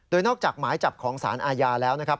โดยนอกจากหมายจับของสารอาญาแล้วนะครับ